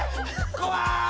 こわい！